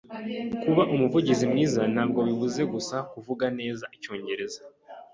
Kuba umuvugizi mwiza ntabwo bivuze gusa kuvuga neza icyongereza